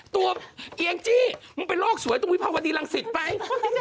ตัวอีไอจิมึงไปลอกสวยตรงพิภาพวดีลังศิษฐ์ไป